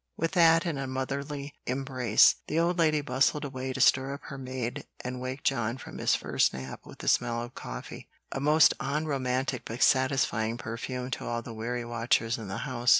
With that and a motherly embrace, the old lady bustled away to stir up her maid and wake John from his first nap with the smell of coffee, a most unromantic but satisfying perfume to all the weary watchers in the house.